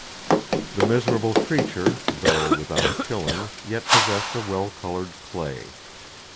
_ The miserable creature, though without a shilling, yet possessed a well coloured "clay."